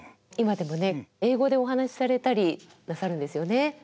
今でもね英語でお話しされたりなさるんですよね。